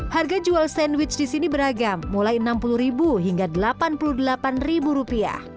harga jual sandwich di sini beragam mulai rp enam puluh hingga rp delapan puluh delapan